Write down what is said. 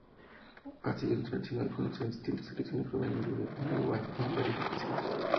Ha sido internacional con las distintas Selecciones juveniles de Uruguay en varias ocasiones.